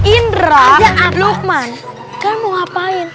indra lukman kalian mau ngapain